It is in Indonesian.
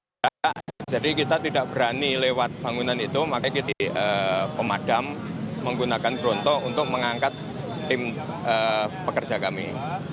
karena bangunan ini sudah bergerak jadi kita tidak berani lewat bangunan itu makanya kita pemadam menggunakan perontok untuk mengangkat tim pekerja kami